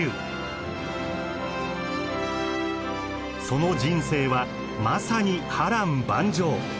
その人生はまさに波乱万丈。